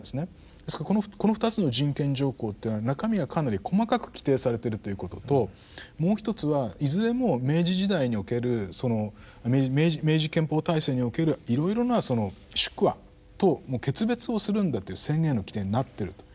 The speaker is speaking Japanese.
ですからこの２つの人権条項というのは中身がかなり細かく規定されてるということともうひとつはいずれも明治時代におけるその明治憲法体制におけるいろいろなその宿痾と決別をするんだという宣言の規定になってるということです。